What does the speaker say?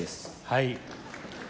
はい。